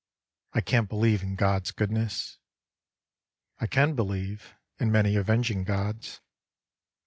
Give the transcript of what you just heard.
I can't believe in God's goodness; I can believe In many avenging gods.